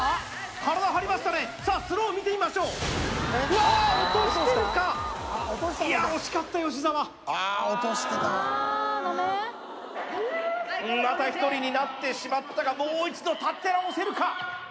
体張りましたねさあスロー見てみましょうああ落としてるかいや惜しかった吉澤また１人になってしまったがもう一度立て直せるか